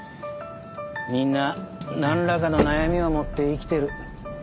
みんななんらかの悩みを持って生きてる。